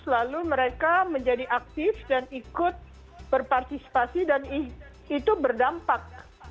lalu mereka menjadi aktif dan ikut berpartisipasi dan itu berdampak